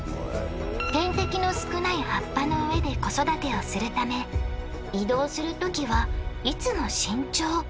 天敵の少ない葉っぱの上で子育てをするため移動するときはいつも慎重。